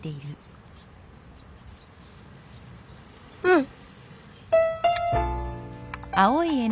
うん。